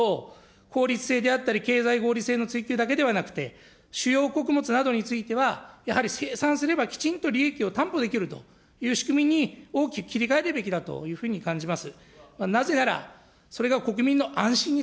私はこういった状況を踏まえると、効率性であったり経済合理性の追求だけではて、主要穀物などについては、やはり生産すれば、きちんと利益を担保できるという仕組みに大きく切り替えるべきだというふうに感じます。